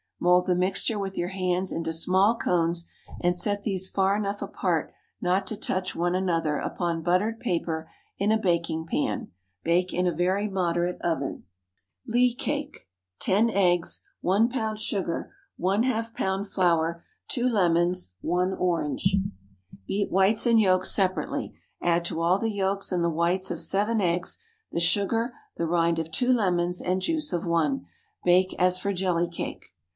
Mould the mixture with your hands into small cones, and set these far enough apart not to touch one another upon buttered paper in a baking pan. Bake in a very moderate oven. LEE CAKE. ✠ 10 eggs. 1 lb. sugar. ½ lb. flour. 2 lemons. 1 orange. Beat whites and yolks separately; add to all the yolks and the whites of seven eggs the sugar, the rind of two lemons, and juice of one. Bake as for jelly cake.